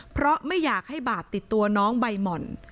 เพราะไม่อยากให้บาปติดตัวน้องใบหม่อน